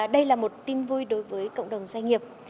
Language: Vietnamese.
đây là một tin vui đối với cộng đồng doanh nghiệp